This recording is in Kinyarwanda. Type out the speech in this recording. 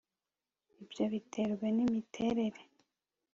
ibyo biterwa n'imiterere